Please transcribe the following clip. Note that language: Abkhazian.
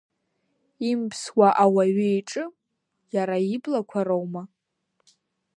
Имԥсуа ауаҩ иҿы иара иблақәа роума?